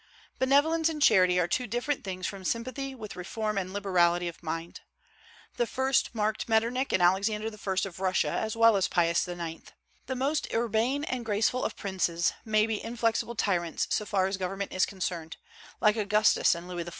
Benevolence and charity are two different things from sympathy with reform and liberality of mind. The first marked Metternich and Alexander I. of Russia, as well as Pius IX. The most urbane and graceful of princes may be inflexible tyrants so far as government is concerned, like Augustus and Louis XIV.